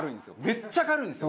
めっちゃ軽いし